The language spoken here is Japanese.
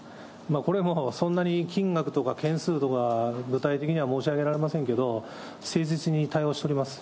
これもそんなに金額とか件数とか具体的には申し上げられませんけど、誠実に対応しております。